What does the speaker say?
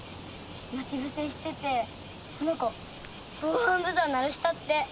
待ちぶせしててその子ぼうはんブザー鳴らしたって。